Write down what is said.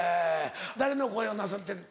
誰の声をなさってる？